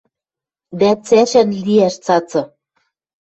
Дӓ цӓшӓн лиӓш цацы.